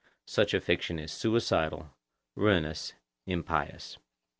Such a fiction is suicidal, ruinous, impious.